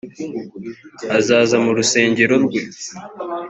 azaza mu rusengero rwe